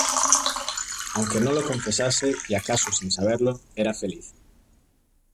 aunque no lo confesase, y acaso sin saberlo , era feliz